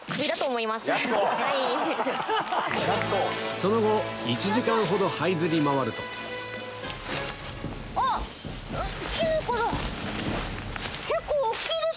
その後１時間ほどはいずり回ると結構大っきいです。